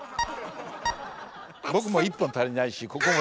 僕も１本足りないしここも。